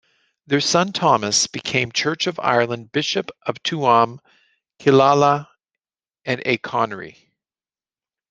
Their son Thomas became Church of Ireland Bishop of Tuam, Killala and Achonry.